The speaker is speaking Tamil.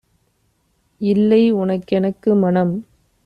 "இல்லை உனக்கெனக்கு - மணம்